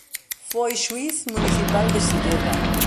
Foi Xuíz municipal de Silleda.